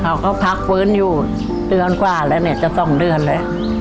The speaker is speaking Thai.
เขาก็พักฟื้นอยู่เดือนกว่าแล้วเนี่ยจะ๒เดือนเลย